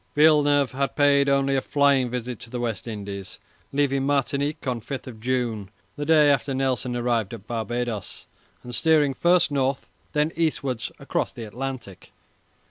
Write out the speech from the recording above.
Villeneuve had paid only a flying visit to the West Indies, leaving Martinique on 5 June, the day after Nelson arrived at Barbadoes, and steering first north, then eastwards across the Atlantic.